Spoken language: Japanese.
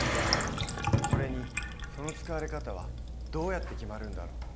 それにその使われ方はどうやって決まるんだろう？